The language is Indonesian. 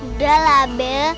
udah lah bel